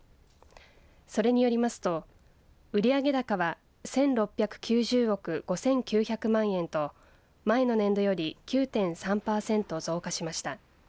それによりますと売上高は１６９０億５９００万円と前の年度より９．３パーセント増加しました。